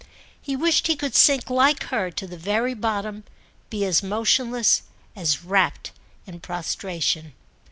He wished he could sink, like her, to the very bottom, be as motionless, as rapt in prostration.